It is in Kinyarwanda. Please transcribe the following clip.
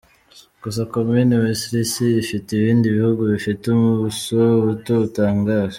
Gusa komoni weslisi ifite ibindi bihugu bifite ubuso buto butangaje.